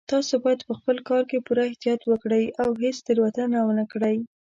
تاسو باید په خپل کار کې پوره احتیاط وکړئ او هیڅ تېروتنه ونه کړئ